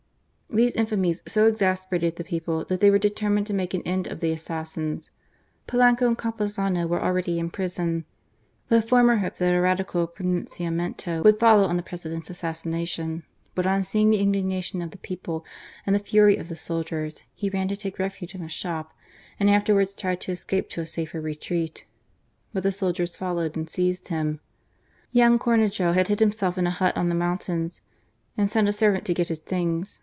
These infamies so exasperated the people that they were determined to make an end of the assassins. Polanco and Campuzano were already in prison. The former hoped that a Radical pronunciamento would follow on the President's assassination, but on seeing the indignation of the people and the fiiry of the soldiers, he ran to take refuge in a shop, and afterwards tried to escape to a safer retreat. But the soldiers followed and seized THE MOURNING. 307 him. Young Comejo had hid himself in a hot on the mountains^ and sent a servant to get his things.